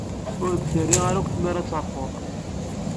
Ur k-terri akk tmara ad terfuḍ.